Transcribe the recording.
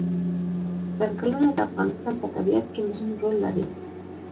ځنګلونه د افغانستان په طبیعت کې مهم رول لري.